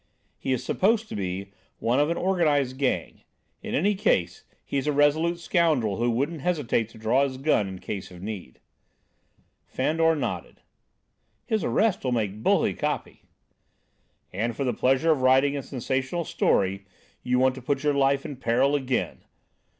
He is supposed to be one of an organised gang. In any case, he's a resolute scoundrel who wouldn't hesitate to draw his gun in case of need." Fandor nodded. "His arrest will make bully copy." "And for the pleasure of writing a sensational story you want to put your life in peril again!"